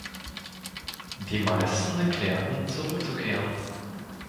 Die meisten erklärten, zurückzukehren.